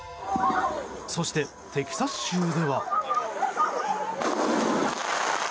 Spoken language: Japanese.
そして、テキサス州では。